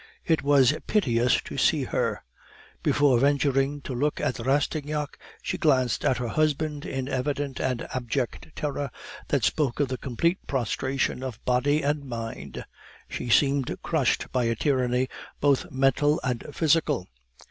It was piteous to see her. Before venturing to look at Rastignac, she glanced at her husband in evident and abject terror that spoke of complete prostration of body and mind; she seemed crushed by a tyranny both mental and physical.